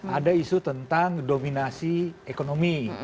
ada isu tentang dominasi ekonomi